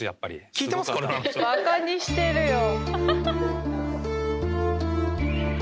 バカにしてるよ！